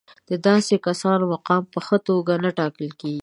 د داسې کسانو مقام په ښه توګه نه ټاکل کېږي.